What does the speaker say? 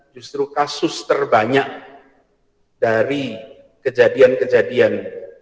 justru kasus terbanyak dari kejadian kejadian